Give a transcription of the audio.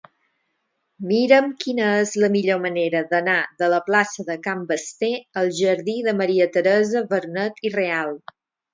Mira'm quina és la millor manera d'anar de la plaça de Can Basté al jardí de Maria Teresa Vernet i Real.